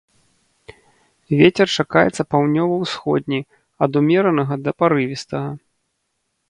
Вецер чакаецца паўднёва-ўсходні ад умеранага да парывістага.